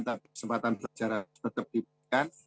tapi kesempatan belajar tetap diberikan